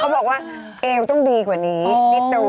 เขาบอกว่าเอวต้องดีกว่านี้พี่ตูน